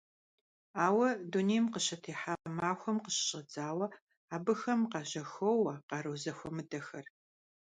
Ауэ, дунейм къыщытехьа махуэм къыщыщIэдзауэ абыхэм къажьэхоуэ къару зэхуэмыдэхэр.